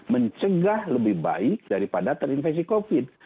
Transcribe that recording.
mencegah lebih baik daripada terinfeksi covid